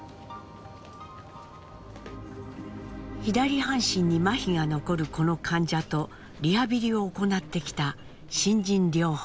左半身にまひが残るこの患者とリハビリを行ってきた新人療法士。